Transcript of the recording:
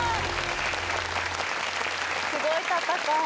すごい戦い。